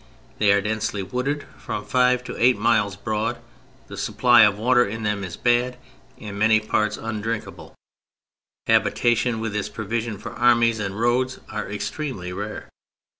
They are densely wooded, Erom five to eight miles broad, the supply of water in them is bad, in many parts undrink able ; habitation with its provision for armies and roads extremely rare.